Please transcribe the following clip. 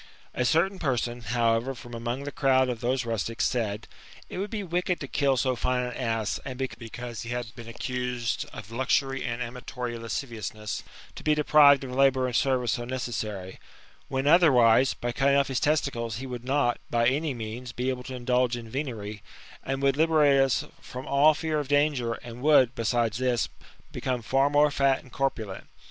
A certain person, however, from among the crowd of those rustics, said, " It would be wicked to kill so fine an ass, and because he had been accused of luxury and amatory lasciviousness, to be deprived of >^tbour and service so necessary ; when otherwise, by cutting off his tes ticles, he would not, by any means, be able to indulge in venery, would liberate us from all fear of danger, and would, besides this, become far more fat and corpulent.